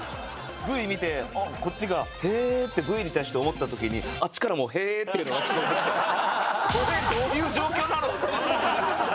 Ｖ見てこっちがへえってＶに対して思った時にあっちからもへえって言うのが聞こえてきてこれどういう状況なの！？